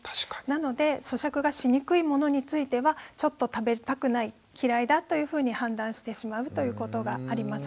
なのでそしゃくがしにくいものについてはちょっと食べたくない嫌いだというふうに判断してしまうということがあります。